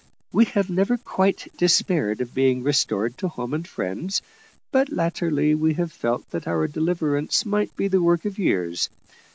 We have never quite despaired of being restored to home and friends, but latterly we have felt that our deliverance might be the work of years.